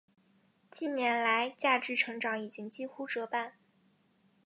近年来价值成长已经几乎折半。